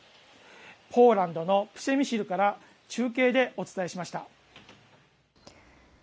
ポーランドのプシェミシルから中継でお伝えしました。